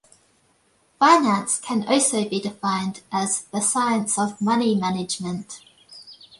Finance can also be defined as the science of money management.